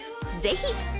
ぜひ！